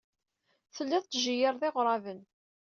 Telliḍ tettjeyyireḍ iɣerban.